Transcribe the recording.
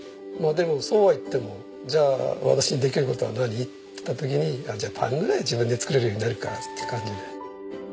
まあでもそうはいってもじゃあ私にできる事は何？っていった時にじゃあパンぐらい自分で作れるようになるかって感じで。